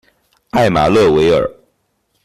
埃马勒维尔。